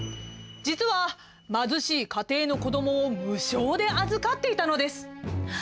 実は、貧しい家庭の子どもを無償で預かっていたのです。